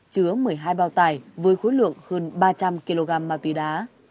chứa một mươi hai bao tải với khối lượng hơn ba trăm linh kg ma túy đá